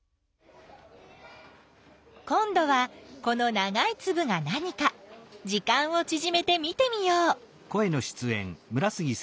今どはこのながいつぶが何か時間をちぢめて見てみよう。